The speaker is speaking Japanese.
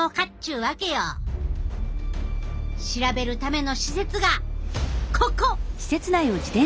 調べるための施設がここ！